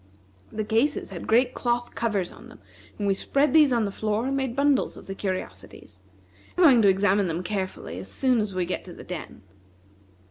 The cases had great cloth covers on them, and we spread these on the floor and made bundles of the curiosities. We are going to examine them carefully as soon as we get to the den."